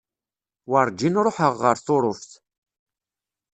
Werǧin ruḥeɣ ɣer Tuṛuft.